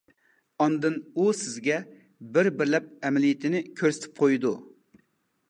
ئاندىن ئۇ سىزگە بىر-بىرلەپ ئەمەلىيىتىنى كۆرسىتىپ قويىدۇ.